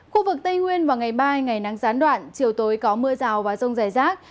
khu vực tây nguyên vào ngày mai ngày nắng gián đoạn chiều tối có mưa rào và rông rải rác